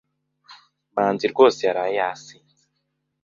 Manzi rwose yaraye yasinze.